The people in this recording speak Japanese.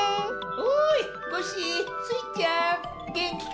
おいコッシースイちゃんげんきかのう？